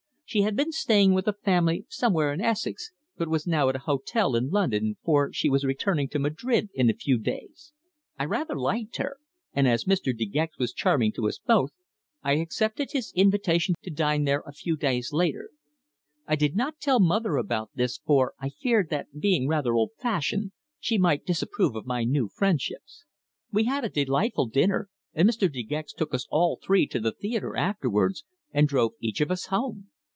She had been staying with a family somewhere in Essex, but was now at an hotel in London, for she was returning to Madrid in a few days. I rather liked her, and as Mr. De Gex was charming to us both, I accepted his invitation to dine there a few days later. I did not tell mother about this, for I feared that being rather old fashioned she might disapprove of my new friendships. We had a delightful dinner, and Mr. De Gex took us all three to the theatre afterwards, and drove each of us home.